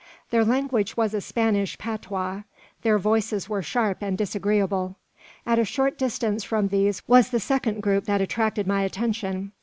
Their language was a Spanish patois; their voices were sharp and disagreeable. At a short distance from these was the second group that attracted my attention.